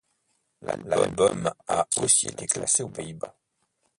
L'album a aussi été classé aux Pays-Bas.